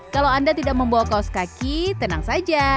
kalau anda tidak membawa kaos kaki tenang saja